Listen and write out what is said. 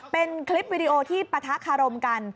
เป็นคลิปวิดีโอที่ปะทะคารมกัน